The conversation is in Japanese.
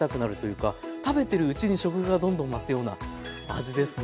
食べてるうちに食欲がどんどん増すような味ですね。